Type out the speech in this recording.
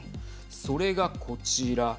それがこちら。